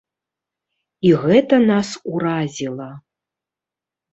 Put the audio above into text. І гэта нас уразіла.